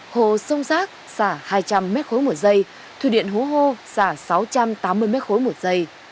hồ sông giác xả hai trăm linh m khối một giây thủy điện hố hô xả sáu trăm tám mươi m khối một giây